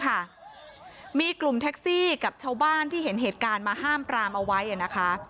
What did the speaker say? ค่ะมีกลุ่มแท็กซี่กับชาวบ้านที่เห็นเหตุการณ์มาห้ามปรามเอาไว้นะคะ